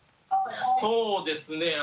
そうですね。